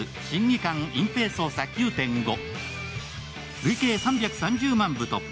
累計３３０万部突破。